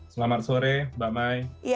selamat sore mbak mai